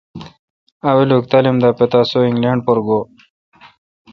اولوک تعلیم دا پتا سو انگینڈ پر گو۔